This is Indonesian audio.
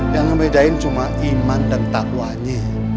yang ngebedain cuma iman dan taqwanya